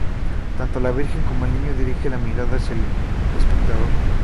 Tanto la Virgen como el Niño dirigen la mirada hacia el espectador.